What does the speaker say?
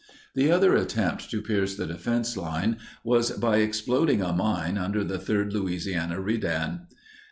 The other attempt to pierce the defense line was by exploding a mine under the Third Louisiana Redan.